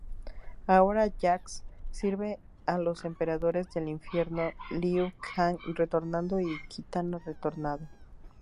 Ahora Jax sirve a los emperadores del Infierno, Liu Kang retornado y Kitana retornada.